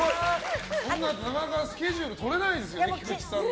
そんななかなかスケジュールとれないですよね、菊地さんの。